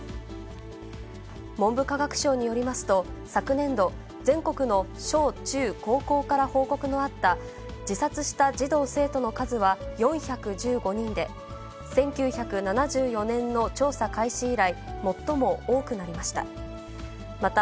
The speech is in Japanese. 文部科学省によりますと、昨年度、全国の小中高校から報告のあった自殺した児童・生徒の数は４１５人で、１９７４年の調査開始以来、最も多くなりました。